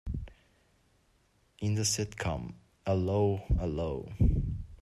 In the sitcom 'Allo 'Allo!